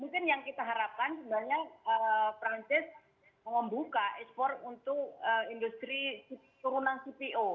mungkin yang kita harapkan sebenarnya perancis membuka ekspor untuk industri turunan cpo